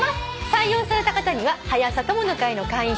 採用された方には「はや朝友の会」の会員証そして。